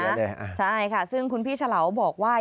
ใช่ค่ะใช่ค่ะซึ่งคุณพี่ฉลาบอกว่า